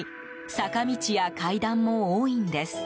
坂道や階段も多いんです。